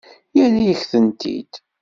Yerra-yak-tent-id.